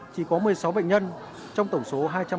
chỉ có một mươi sáu bệnh nhân trong tổng số